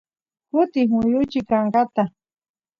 kutis muyuchi kankata